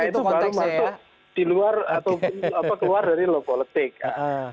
itu baru masuk di luar atau keluar dari low politik ya